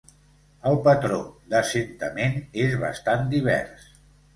El patró d'assentament és bastant divers.